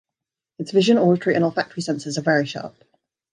Its vision, auditory, and olfactory senses are very sharp.